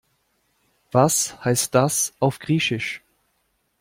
Was heißt das auf Griechisch?